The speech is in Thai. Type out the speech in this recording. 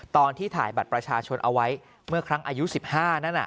ตอนที่ถ่ายบัตรประชาชนเอาไว้เมื่อครั้งอายุ๑๕นั่น